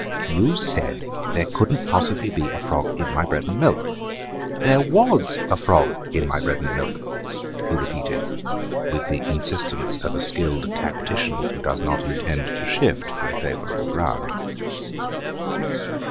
"You said there couldn't possibly be a frog in my bread and milk; there was a frog in my bread and milk," he repeated, with the insistence of a skilled tactician who does not intend to shift from favourable ground.